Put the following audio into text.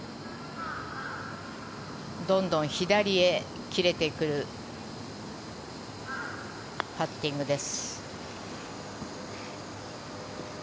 どんどん左へ切れていくパッティングです。